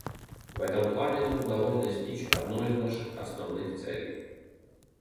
В этом плане нам удалось достичь одной из наших основных целей.